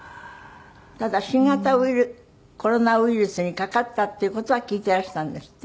ただ新型コロナウイルスにかかったっていう事は聞いていらしたんですって？